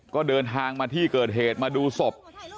ก็เดินทางมาที่เกิดเหตุมาดูศพ